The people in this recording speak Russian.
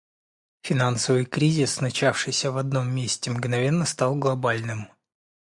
Финансовый кризис, начавшийся в одном месте, мгновенно стал глобальным.